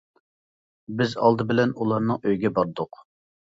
بىز ئالدى بىلەن ئۇلارنىڭ ئۆيىگە باردۇق.